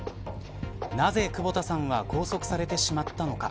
なぜ久保田さんは拘束されてしまったのか。